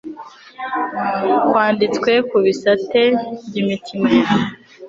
kwanditswe ku bisate by'imitima yabo.